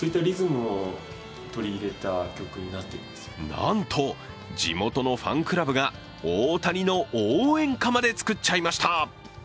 なんと地元のファンクラブが大谷の応援歌まで作っちゃいました。